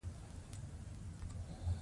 جلسې ولې باید لنډې وي؟